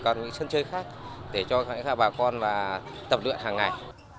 còn những sân chơi khác để cho bà con tập luyện hàng ngày